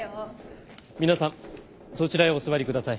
皆さんそちらへお座りください。